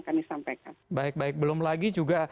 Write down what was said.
kami sampaikan baik baik belum lagi juga